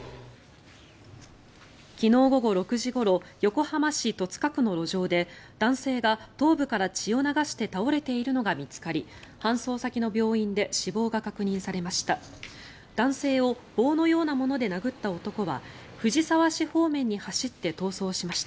昨日午後６時ごろ横浜市戸塚区の路上で男性が頭部から血を流して倒れているのが見つかり搬送先の病院で死亡が確認されました。